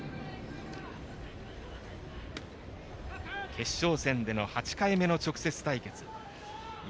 決勝戦での８回目の直接対決。